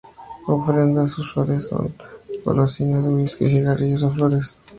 Ofrendas usuales son golosinas, whisky, cigarrillos, o flores.